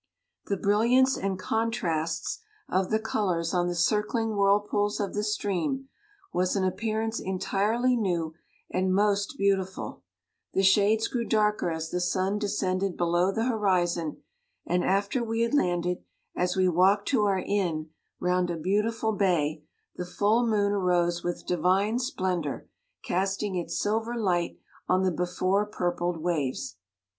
The brilliance and 63 contrasts of the colours on the circling whirlpools of the stream, was an ap pearance entirely new and most beau tiful ; the shades grew darker as the sun descended below the horizon, and after we had landed, as we walked to our inn round a beautiful bay, the full moon arose with divine splendour, casting its silver light on the before purpled waves.